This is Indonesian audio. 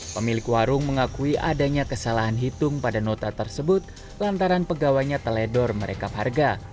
pemilik warung mengakui adanya kesalahan hitung pada nota tersebut lantaran pegawainya teledor merekap harga